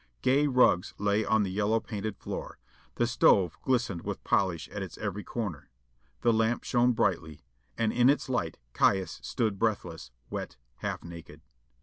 Gay rugs lay on the yellow painted floor; the stove glistened with polish at its every corner. The lamp shone brightly, and in its light Caius stood breathless, wet, half naked.